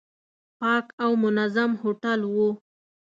پاک او منظم هوټل و.